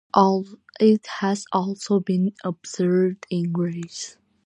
It has also been observed in Greece.